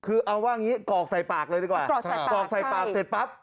คือเอาว่างี้กรอกใส่ปากเลยดีกว่ากรอกใส่ปากเสร็จปั๊บ